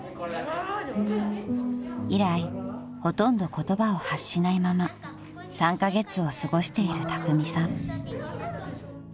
［以来ほとんど言葉を発しないまま３カ月を過ごしているたくみさん］